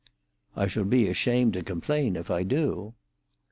"I shall be ashamed to complain if I do."